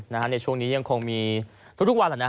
ในช่วงนี้ยังคงมีทุกวัน